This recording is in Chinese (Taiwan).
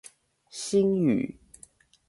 星宇